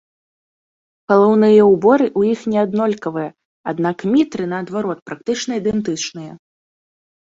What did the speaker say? Галаўныя ўборы ў іх не аднолькавыя, аднак мітры наадварот практычна ідэнтычныя.